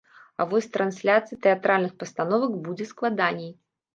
А вось з трансляцыяй тэатральных пастановак будзе складаней.